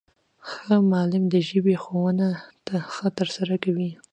ښه معلم د ژبي ښوونه ښه ترسره کوي.